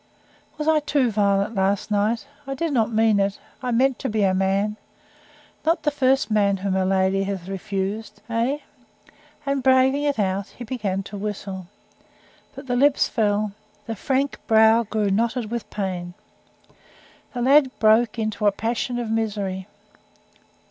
"Was I too violent last night? I did not mean it. I mean to be a man. Not the first man whom a lady has refused eh?" And braving it out, he began to whistle; but the lips fell the frank brow grew knotted with pain. The lad broke into a passion of misery.